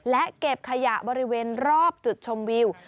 และเก็บขยะบริเวณรอบจุดชมวิว